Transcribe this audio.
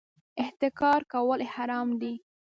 احتکار کول حرام دي